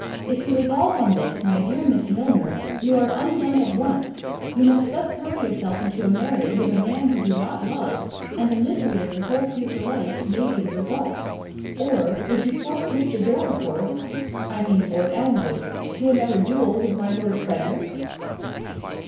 If you resolve on this, my dear Miss Milner, you are undone at once—you may thus hurry yourself into a marriage with a man you do not love, and the misery of your whole future life may be the result. Or, would you force Mr. Dorriforth (I mean Lord Elmwood) to another duel with my Lord Frederick?"